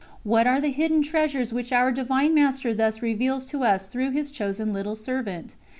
What are the hidden treasures which Our Divine Master thus reveals to us through His chosen little servant?